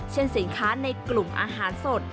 สินค้าในกลุ่มอาหารสด